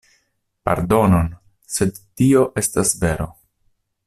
Pardonon, sed tio estas vero.